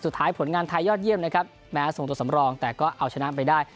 ผลงานไทยยอดเยี่ยมนะครับแม้ส่งตัวสำรองแต่ก็เอาชนะไปได้